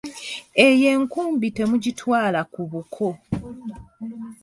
Eyo enkumbi temugitwala ku buko.